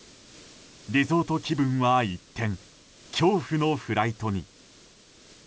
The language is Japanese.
リゾート気分は一転恐怖のフライトに。